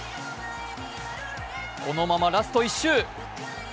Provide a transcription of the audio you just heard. このままラスト１周。